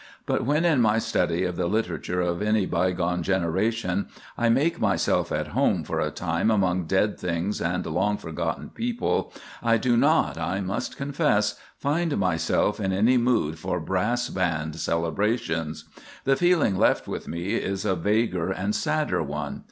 But when in my study of the literature of any bygone generation I make myself at home for a time among dead things and long forgotten people, I do not, I must confess, find myself in any mood for brass band celebrations. The feeling left with me is a vaguer and sadder one.